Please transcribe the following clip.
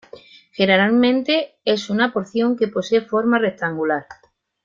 Generalmente es una porción que posee forma rectangular.